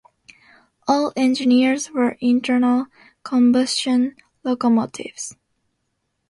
All engines were internal combustion locomotives.